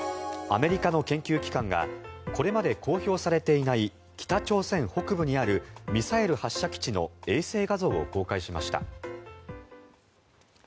アメリカの研究機関がこれまで公表されていない北朝鮮北部にあるミサイル発射基地の衛星画像を公開しました。